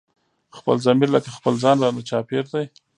خپل ضمير لکه خپل ځان رانه چاپېر دی